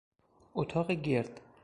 اتاق گرد